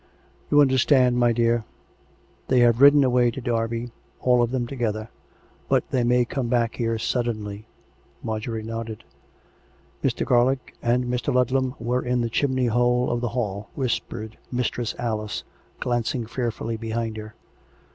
" You understand, my dear. ... They have ridden away to Derby, all of them together. But they may come back here suddenly." Marjorie nodded. " Mr. Garlick and Mr. Ludlam were in the chimney hole of the hall/' whispered Mistress Alice, glancing fear fully behind her.